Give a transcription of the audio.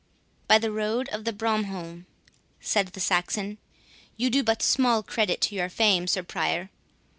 "By the rood of Bromholme," said the Saxon, "you do but small credit to your fame, Sir Prior!